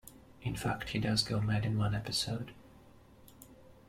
In fact, he does go mad in one episode.